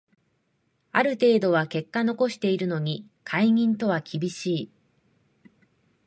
ある程度は結果残してるのに解任とは厳しい